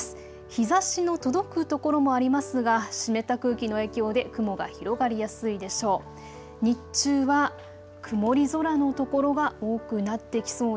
日ざしの届く所もありますが湿った空気の影響で雲が広がりやすいでしょう。